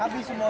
habis semua bu